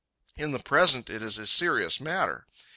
In the present it is a serious matter.